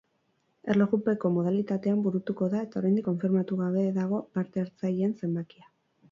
Erlojupeko modalitatean burutuko da eta oraindik konfirmatu gabe dago parte hartzaileen zenbakia.